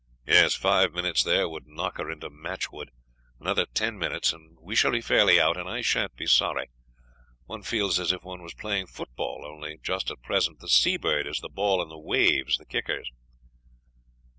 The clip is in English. "Yes, five minutes there would knock her into matchwood. Another ten minutes and we shall be fairly out; and I shan't be sorry; one feels as if one was playing football, only just at present the Seabird is the ball and the waves the kickers."